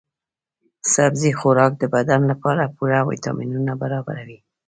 سبزي خوراک د بدن لپاره پوره ويټامینونه برابروي.